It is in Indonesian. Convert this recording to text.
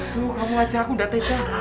tuh kamu ngajak aku udah teka